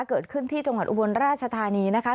เกิดขึ้นที่จังหวัดอุบลราชธานีนะคะ